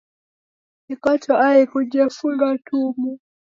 Ikoto aighu yefunga tumu.